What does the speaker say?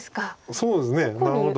そうですねなるほど。